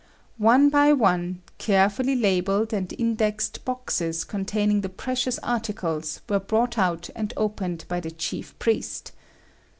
One by one, carefully labelled and indexed boxes containing the precious articles were brought out and opened by the chief priest.